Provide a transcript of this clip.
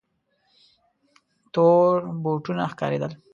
تور بوټونه ښکارېدل.